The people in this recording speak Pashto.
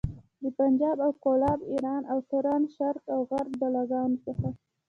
د پنجاب او کولاب، ايران او توران، شرق او غرب بلاګانو څخه.